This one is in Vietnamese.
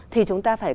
thì chúng ta phải